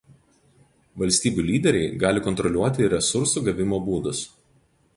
Valstybių lyderiai gali kontroliuoti ir resursų gavimo būdus.